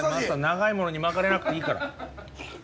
長いものに巻かれなくていいから。